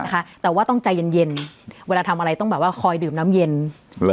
นะคะแต่ว่าต้องใจเย็นเย็นเวลาทำอะไรต้องแบบว่าคอยดื่มน้ำเย็นเหรอ